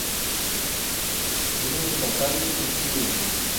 είναι το μπακάλικο του θειού μου